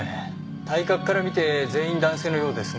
体格から見て全員男性のようですが。